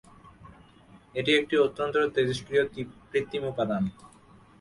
এটি একটি অত্যন্ত তেজস্ক্রিয় কৃত্রিম উপাদান।